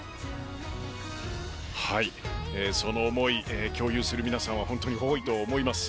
その思いを共有する皆さんは本当に多いと思います。